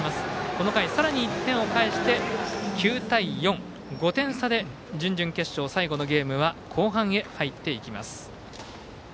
この回さらに１点を返して９対４、５点差で準々決勝最後のゲームは後半へ入っていきます。